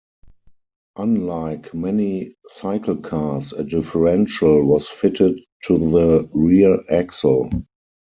Unlike many cyclecars a differential was fitted to the rear axle.